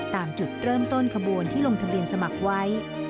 ตามจุดเริ่มต้นขบวนที่ลงทะเบียนสมัครไว้